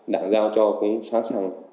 đảng giao cho cũng sẵn sàng